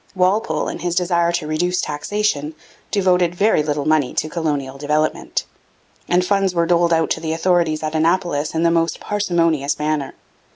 Walpole, in his desire to reduce taxation, devoted very little money to colonial development; and funds were doled out to the authorities at Annapolis in the most parsimonious manner.